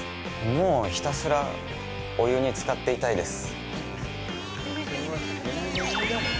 もう、ひたすらお湯につかっていたいです。